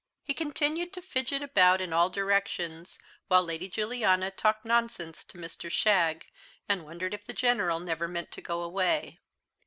He continued to fidget about in all directions, while Lady Juliana talked nonsense to Mr. Shagg, and wondered if the General never meant to go away.